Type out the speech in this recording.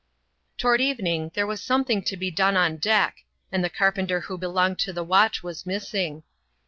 Toward evening there was something to be done on deck, and the carpenter who belonged to the watch was missing.